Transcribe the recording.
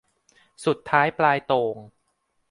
สุดท้ายปลายโต่ง